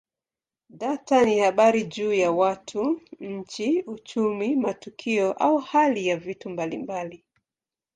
Data ni habari juu ya watu, nchi, uchumi, matukio au hali ya vitu mbalimbali.